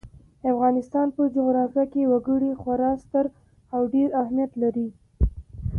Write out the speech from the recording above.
د افغانستان په جغرافیه کې وګړي خورا ستر او ډېر اهمیت لري.